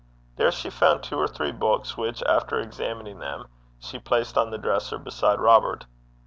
There she found two or three books, which, after examining them, she placed on the dresser beside Robert.